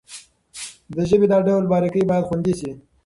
د ژبې دا ډول باريکۍ بايد خوندي شي.